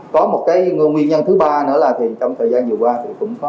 có một cái nguyên nhân thứ ba nữa là thì trong thời gian vừa qua thì cũng có